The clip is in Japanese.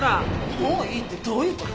もういいってどういう事？